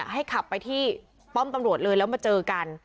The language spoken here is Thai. ให้ขับไปที่ป้อมตำรวจเลยแล้วมาเจอกัน